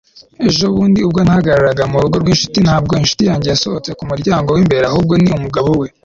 Ejo bundi ubwo nahagararaga ku rugo rwinshuti ntabwo inshuti yanjye yasohotse ku muryango wimbere ahubwo ni umugabo we